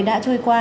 đã trôi qua